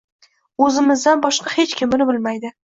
O’zimizdan boshqa hech kim buni bilmaydi.